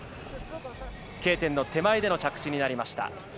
Ｋ点の手前での着地になりました。